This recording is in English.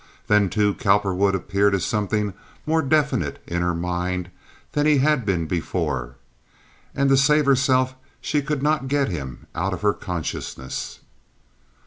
Then, too, Cowperwood appeared as something more definite in her mind than he had been before, and to save herself she could not get him out of her consciousness.